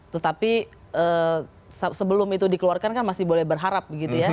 tetapi sebelum itu dikeluarkan kan masih boleh berharap